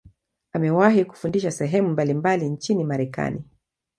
Amewahi kufundisha sehemu mbalimbali nchini Marekani.